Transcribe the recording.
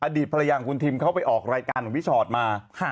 อดีตภรรยาของคุณทิมเขาไปออกรายการของพี่ชอตมา